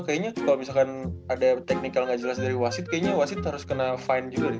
kayaknya kalo misalkan ada technical gak jelas dari wasid kayaknya wasid harus kena fine juga